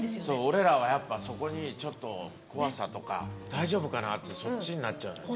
そう俺らはやっぱそこにちょっと怖さとか。ってそっちになっちゃう。